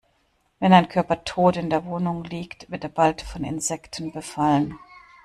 Wenn ein Körper tot in der Wohnung liegt, wird er bald von Insekten befallen.